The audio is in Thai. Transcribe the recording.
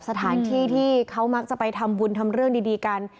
สถานที่ที่เขามักจะไปทำบุญทำเรื่องดีกัน